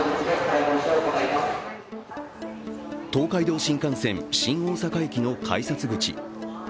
東海道新幹線、新大阪駅の改札口。